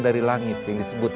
dari langit yang disebut